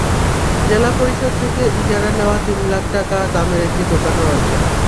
জেলা পরিষদ থেকে ইজারা নেওয়া তিন লাখ টাকা দামের একটি দোকানও আছে।